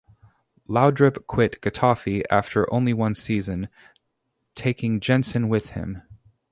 Laudrup quit Getafe after only one season, taking Jensen with him.